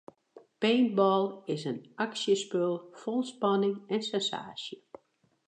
Paintball is in aksjespul fol spanning en sensaasje.